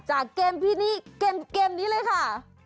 จากเกมนี้เลยค่ะ